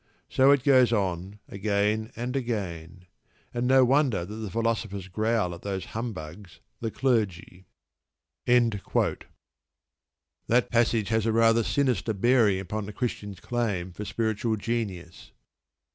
So it goes on again and again; and no wonder that the philosophers growl at those humbugs, the clergy. That passage has a rather sinister bearing upon the Christian's claim for spiritual genius.